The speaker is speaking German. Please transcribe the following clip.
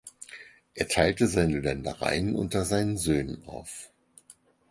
Er teilte seine Ländereien unter seinen Söhnen auf.